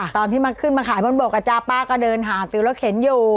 ตอนที่มันขึ้นมาขายบนบกอ่ะจ๊ะป้าก็เดินหาซื้อรถเข็นอยู่